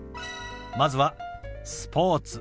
まずは「スポーツ」。